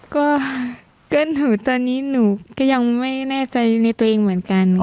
ก็เกิ้ลหูตอนนี้หนูก็ยังไม่แน่ใจในตัวเองเหมือนกัน